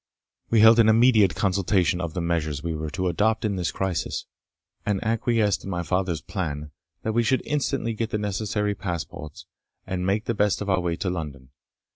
We held an immediate consultation on the measures we were to adopt in this crisis, and acquiesced in my father's plan, that we should instantly get the necessary passports, and make the best of our way to London.